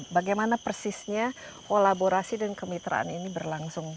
bagaimana persisnya kolaborasi dan kemitraan ini berlangsung